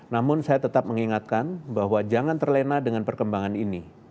namun saya tetap mengingatkan bahwa jangan terlena dengan perkembangan ini